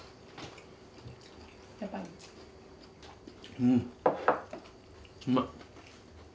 うんうまい！